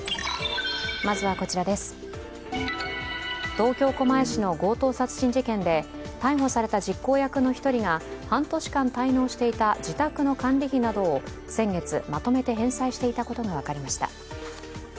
東京・狛江市の強盗殺人事件で逮捕された実行役の１人が半年間滞納していた自宅の管理費などを先月、まとめて返済していたことが分かりました。